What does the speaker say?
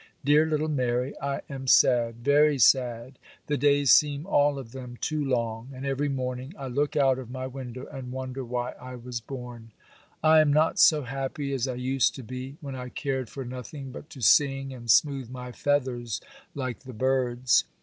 Dear little Mary, I am sad, very sad; the days seem all of them too long; and every morning I look out of my window and wonder why I was born. I am not so happy as I used to be, when I cared for nothing but to sing and smooth my feathers like the birds.